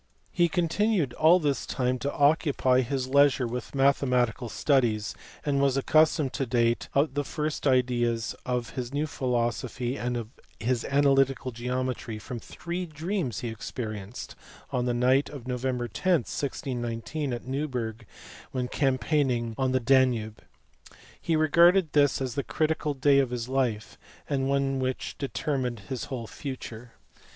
He continued all this time to occupy his leisure with mathe matical studies, and was accustomed to date the first ideas of his new philosophy and of his analytical geometry from three dreams which he experienced on the night of Nov. 10, 1619, at Neuberg when campaigning on the Danube. He regarded this as the critical day of his life, and one which determined his whole future.